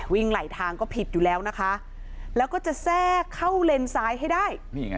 วิ่งไหลทางก็ผิดอยู่แล้วนะคะแล้วก็จะแทรกเข้าเลนซ้ายให้ได้นี่ไง